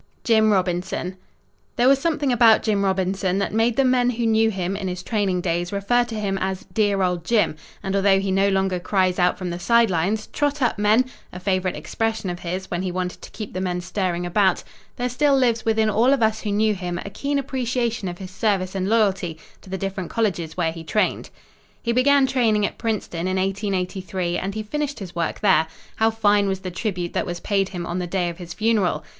Jim Robinson There was something about Jim Robinson that made the men who knew him in his training days refer to him as "Dear Old Jim," and although he no longer cries out from the side lines "trot up, men," a favorite expression of his when he wanted to keep the men stirring about, there still lives within all of us who knew him a keen appreciation of his service and loyalty to the different colleges where he trained. He began training at Princeton in 1883 and he finished his work there. How fine was the tribute that was paid him on the day of his funeral!